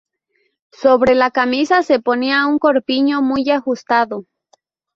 Sobre la camisa se ponía un corpiño muy ajustado.